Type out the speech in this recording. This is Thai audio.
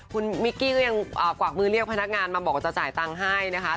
คุณมิกกี้ก็ยังกวักมือเรียกพนักงานมาบอกว่าจะจ่ายตังค์ให้นะคะ